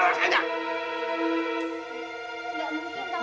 gak boleh sama raka